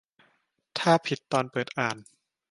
ถ้าผิดตอนเปิดอ่าน